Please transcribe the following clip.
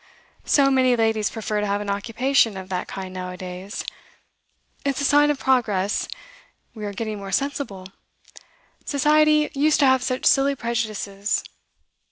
So many ladies prefer to have an occupation of that kind now a days. It's a sign of progress; we are getting more sensible; Society used to have such silly prejudices.